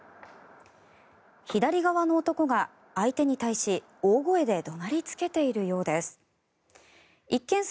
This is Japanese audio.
左側の男が相手に対し大声で怒鳴りつけているようです。